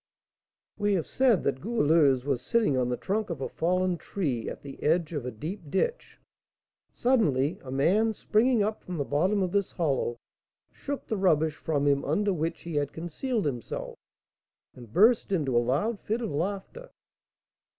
We have said that Goualeuse was sitting on the trunk of a fallen tree, at the edge of a deep ditch. Suddenly a man, springing up from the bottom of this hollow, shook the rubbish from him under which he had concealed himself, and burst into a loud fit of laughter.